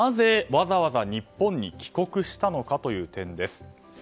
わざわざ日本に帰国したのかという点です。